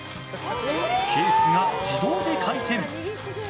ケースが自動で回転！